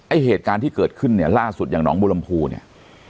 เหตุการณ์ที่เกิดขึ้นเนี่ยล่าสุดอย่างน้องบุรมภูเนี่ย